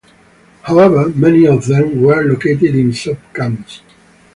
However many of them were located in sub-camps.